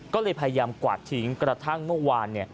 ก็เลยพยายามกวาดทิ้งกระทั่งเมื่อวาน